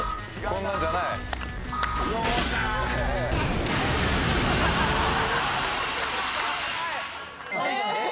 こんなんじゃない？え！